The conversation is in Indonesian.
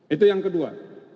itu yang kedua